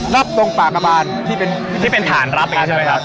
แล้วตรงปากกระบานที่เป็นที่เป็นฐานรับอย่างนี้ใช่ไหมครับ